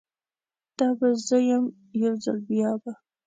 دا به زه یم، یوځل بیابه